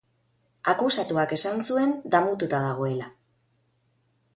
Akusatuak esan zuen damututa dagoela.